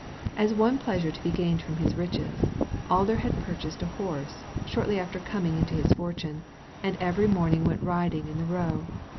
As one pleasure to be gained from his riches, Alder had purchased a horse, shortly after coming into his fortune, and every morning went riding in the Row.